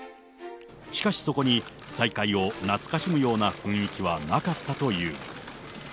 しかしそこに、再会を懐かしむような雰囲気はなかったという。